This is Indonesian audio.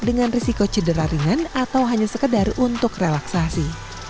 dengan risiko cedera ringan atau hanya sekedar untuk relaksasi